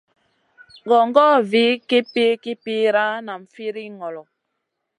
Gongor vih kipir-kipira, nam firiy ŋolo.